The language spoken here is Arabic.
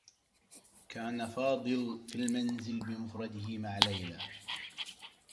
كان فاضل في المنزل بمفرده مع ليلى.